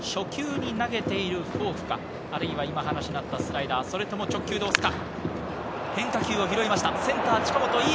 ストレートで２−２、追い込んで初球に投げているフォークか、あるいは今話のあったスライダー、それとも直球で押すか。